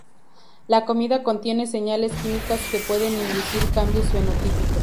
La comida contiene señales químicas que pueden inducir cambios fenotípicos.